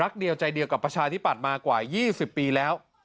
รักเดียวใจเดียวกับประชาที่ปัดมากว่า๒๐ปีแล้ว